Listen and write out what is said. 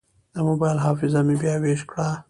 د موبایل حافظه مې بیا ویش کړه.